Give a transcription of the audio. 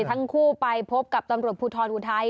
ทั้งคู่ไปพบกับตำรวจภูทรอุทัย